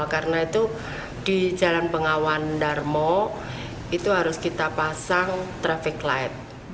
karena itu di jalan bengawan darmo itu harus kita pasang traffic light